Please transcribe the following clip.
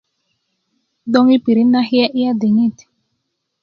gboŋ yi pirit nakye' iya diŋit